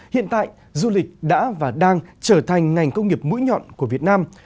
hiện tại du lịch đã và đang trở thành ngành công nghiệp mũi nhọn của việt nam